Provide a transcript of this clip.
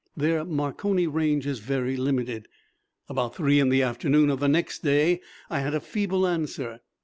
Their Marconi range is very limited. About three in the afternoon of the next day I had a feeble answer.